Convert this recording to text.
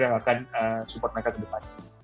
yang akan support mereka ke depan